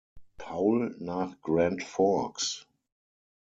Paul nach Grand Forks.